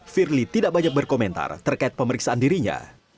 firly tidak banyak berkomentar terkait pemeriksaan dirinya